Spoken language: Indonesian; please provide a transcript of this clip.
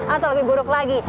atau lebih buruk lagi